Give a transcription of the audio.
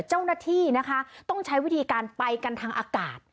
เจ้าหน้าที่นะคะต้องใช้วิธีการไปกันทางอากาศ